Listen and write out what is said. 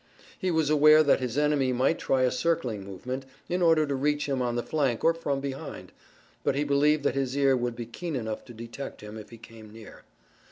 He was aware that his enemy might try a circling movement in order to reach him on the flank or from behind, but he believed that his ear would be keen enough to detect him if he came near.